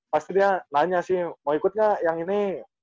pasti dia nanya sih mau ikutnya yang ini